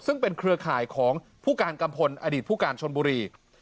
ซึ่งเป็นเครือข่ายของผู้การกัมพลอดีตผู้การชนบุรี